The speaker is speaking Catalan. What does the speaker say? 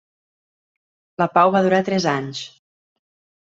La pau va durar tres anys.